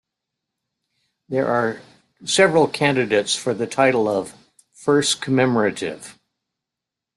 There are several candidates for the title of first commemorative.